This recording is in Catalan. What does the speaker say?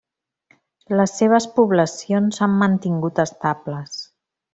Les seves poblacions s'han mantingut estables.